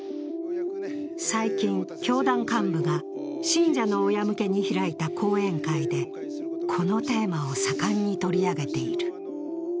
最近、教団幹部が信者の親向けに開いた講演会でこのテーマを盛んに取り上げている。